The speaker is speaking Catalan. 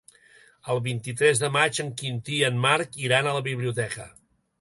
El vint-i-tres de maig en Quintí i en Marc iran a la biblioteca.